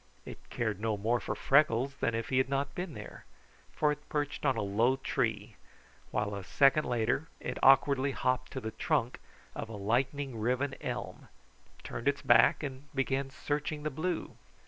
It cared no more for Freckles than if he had not been there; for it perched on a low tree, while a second later it awkwardly hopped to the trunk of a lightning riven elm, turned its back, and began searching the blue.